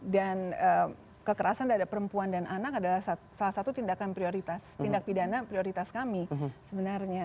kekerasan terhadap perempuan dan anak adalah salah satu tindakan prioritas tindak pidana prioritas kami sebenarnya